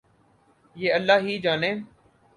یہ اللہ ہی جانے۔